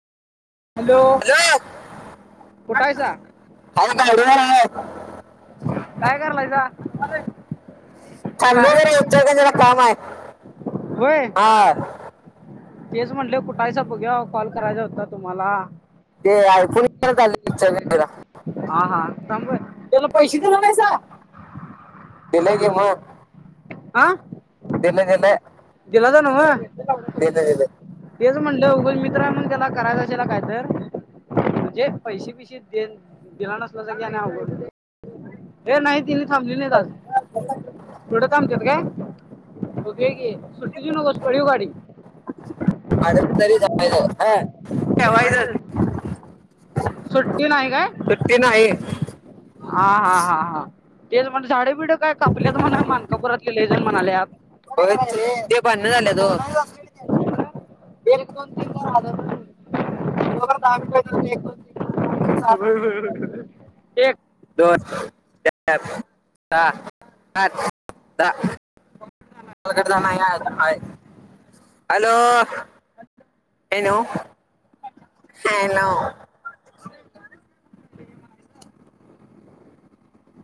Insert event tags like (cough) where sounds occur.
Hello, कुठं आहेसा? हाय गाडी वर हाय. काय करालायसा? चालोय जरा इचलकरंजीला काम हाय. होय हाव. तेच म्हटल, कुठा हायसा बगुया, कॉल करायचा होता तुम्हाला. ते तेे. आयफोन चाललं इच्छा (inaudible) त्याला पैसे दिला नाहीसा? दिलं दिलो मग की. आ दिलं दिले दिले, दिलं दिलासा नव्ह? दिलं दिलं तेच म्हणलं, उगं मित्र आहे म्हून त्याला करायच असेला काय तर म्हणजे पैसे पैसे दे दिला नसल तर की नाही अवघड होते ऐ नाही तिने थांबली नाहीत आज. थोडं थांबत काय? (unintelligible) पळीव गाडी. (unintelligible) ठेवायचं (unintelligible) सुट्टी नाही काय? सुट्टी नाही. हा हा हा हा, तेच मगं झाडे बिड काय कापल्यात म्हण मानकापुरात. कापल्याती म्हणायल्यात. ते भांडण झाल्यात ओ. एक, दोन, तीन हजार (unintelligible) (unintelligible) (inaudible) दोन, चार, सहा, आठ, दहा. (unintelligible) हॅलो.